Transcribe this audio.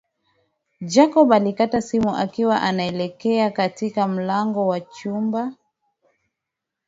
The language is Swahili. Jacob alikata simu akiwa anaelekea katika mlango wa chumba